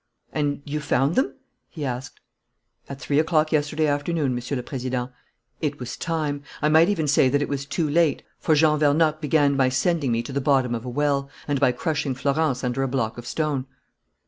"And you found them?" he asked. "At three o'clock yesterday afternoon, Monsieur le Président. It was time. I might even say that it was too late, for Jean Vernocq began by sending me to the bottom of a well, and by crushing Florence under a block of stone."